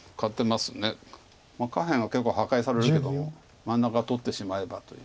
下辺が結構破壊されるけども真ん中取ってしまえばという。